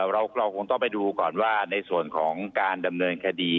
เราคงต้องไปดูก่อนว่าในส่วนของการดำเนินคดี